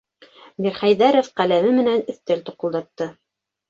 Мирхәйҙәров ҡәләме менән өҫтәл туҡылдатты: